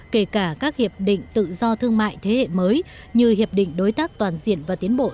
kể cả các hiệp định tự do thương mại thế hệ mới như hiệp định đối tác toàn diện và tiến bộ